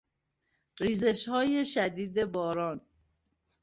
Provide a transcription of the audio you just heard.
ریزشهای شدید باران